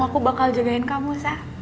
aku bakal jagain kamu sah